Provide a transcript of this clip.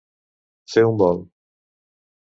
Fer un volt.